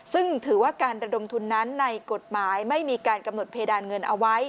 ซึ่งถือว่าการระดมทุนนั้นในกฎหมายไม่มีการกำหนดเพดานเงินเอาไว้